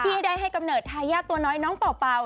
ที่ได้ให้กำเนิดทายาทตัวน้อยน้องเป่า